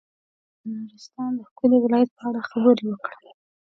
غواړم د نورستان د ښکلي ولايت په اړه خبرې وکړم.